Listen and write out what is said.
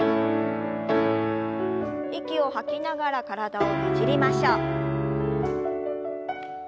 息を吐きながら体をねじりましょう。